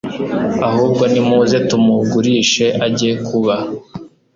Ahubwo nimuze tumugurishe ajye kuba